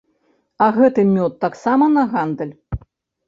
А гэты мёд таксама на гандаль?